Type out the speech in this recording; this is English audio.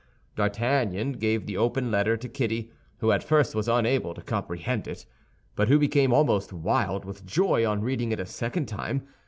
D'Artagnan gave the open letter to Kitty, who at first was unable to comprehend it, but who became almost wild with joy on reading it a second time.